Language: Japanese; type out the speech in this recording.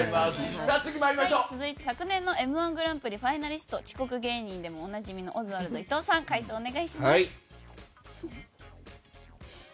続いて昨年の「Ｍ‐１グランプリ」ファイナリスト遅刻芸人でもおなじみのオズワルド伊藤さんあいみょん。